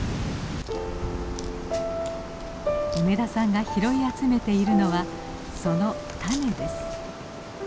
梅田さんが拾い集めているのはその種です。